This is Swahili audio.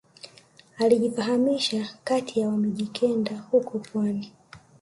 Alijifahamisha kati ya wa mijikenda huko pwani